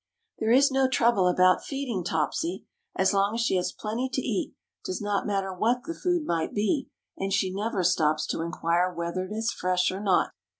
There is no trouble about feeding Topsy. As long as she has plenty to eat it does not matter what the food might be and she never stops to inquire whether it is fresh or not.